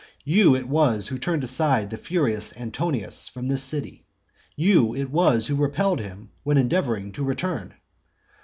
You it was who turned aside the furious Antonius from this city; you it was who repelled him when endeavouring to return.